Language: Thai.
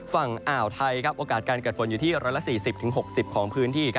ฝั่งอ่าวไทยโอกาสการเกิดฝนอยู่ที่๑๔๐๖๐ของพื้นที่